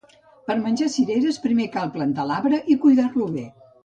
Per menjar cireres, primer cal plantar l'arbre i cuidar-lo bé.